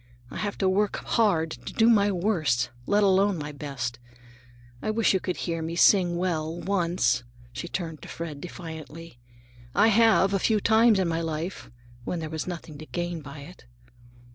I have to work hard to do my worst, let alone my best. I wish you could hear me sing well, once," she turned to Fred defiantly; "I have, a few times in my life, when there was nothing to gain by it."